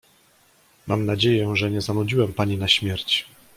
Mam nadzieję, że nie zanudziłem pani na śmierć.